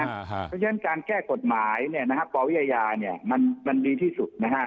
เพราะฉะนั้นการแก้กฎหมายเนี่ยนะฮะปรวิยายาเนี่ยมันมันดีที่สุดนะฮะ